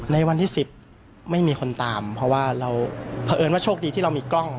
ในวันที่๑๐ไม่มีคนตามเพราะว่าเราเผอิญว่าโชคดีที่เรามีกล้อง